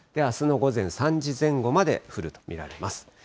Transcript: あすの午前３時前後まで降ると見られます。